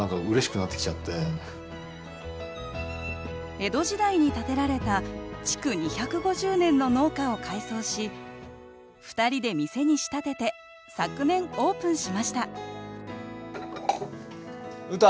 江戸時代に建てられた築２５０年の農家を改装し２人で店に仕立てて昨年オープンしましたうた！